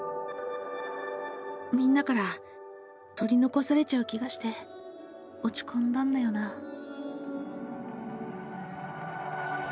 「みんなから取りのこされちゃう気がして落ち込んだんだよなぁ」。